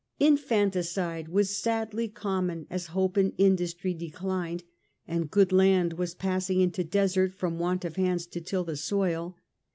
Infanticide was sadly common as hope and industry declined, and good land was passing into desert from want of hands to till the soil.